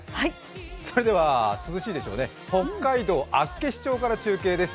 それでは涼しいでしょうね、北海道厚岸町から中継です。